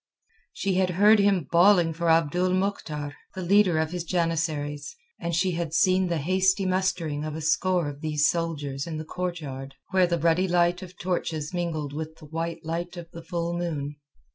She had heard him bawling for Abdul Mohktar, the leader of his janissaries, and she had seen the hasty mustering of a score of these soldiers in the courtyard, where the ruddy light of torches mingled with the white light of the full moon.